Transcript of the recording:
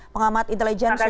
pengamat intelijen susan